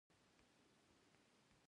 ما پاس وکتل چې دوې چټکې الوتکې ښکاره شوې